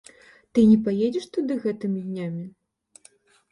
Ты не паедзеш туды гэтымі днямі?